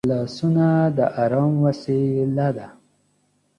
لاسونه د ارام وسیله ده